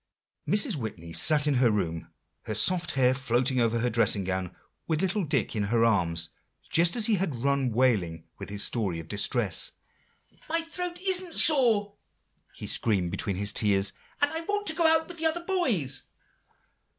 Mrs. Whitney sat in her room, her soft hair floating over her dressing gown, with little Dick in her arms, just as he had run wailing with his story of distress. "My throat isn't sore," he screamed between his tears; "and I want to go out with the other boys."